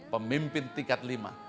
pemimpin tingkat lima